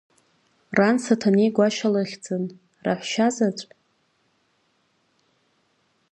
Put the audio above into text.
Ран Саҭанеи-Гәашьа лыхьӡын, раҳәшьа-заҵә…